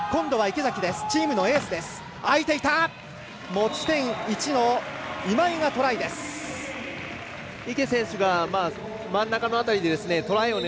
持ち点１の今井がトライです。